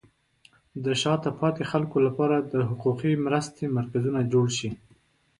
د شاته پاتې خلکو لپاره د حقوقي مرستې مرکزونه جوړ شي.